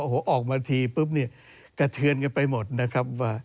ออกมาทีปุ๊บกระเทือนกันไปหมดนะครับ